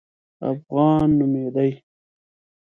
افغان نومېدی.